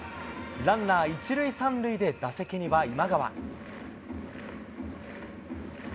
ランナー１塁３塁で打席には今川。